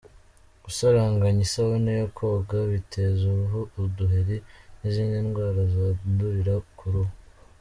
Gusaranganya isabune yo koga biteza uruhu uduheri n’izindi ndwara zandurira ku ruhu.